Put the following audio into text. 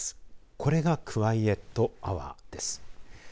これがクワイエットアワーです。